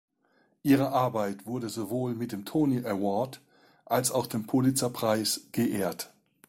Ihre Arbeit wurde sowohl mit dem Tony Award als auch dem Pulitzer-Preis geehrt.